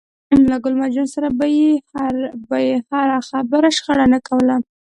له ګل مرجان سره به يې پر هره خبره شخړه نه کوله.